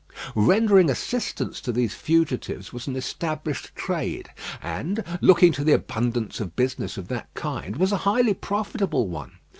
Rendering assistance to these fugitives was an established trade, and, looking to the abundance of business of that kind, was a highly profitable one.